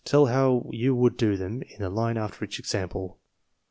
Tell how you would do them on the line after each example.